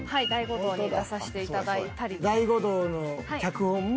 『大悟道』の脚本も。